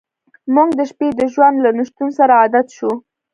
موږ د شپې د ژوند له نشتون سره عادت شو